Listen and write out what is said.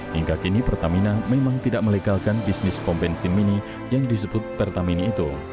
hingga kini pertamina memang tidak melegalkan bisnis pom bensin mini yang disebut pertamina itu